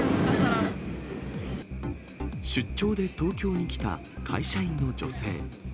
出張で東京に来た会社員の女性。